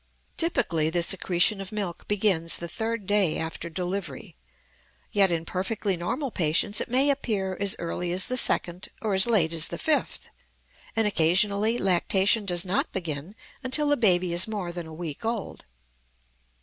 Typically, the secretion of milk begins the third day after delivery; yet in perfectly normal patients it may appear as early as the second or as late as the fifth, and occasionally lactation does not begin until the baby is more than a week old.